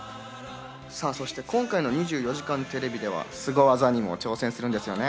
そして今回の『２４時間テレビ』ではスゴ技にも挑戦するんですよね？